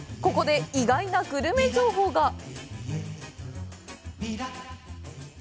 ここで意外なグルメ情報が。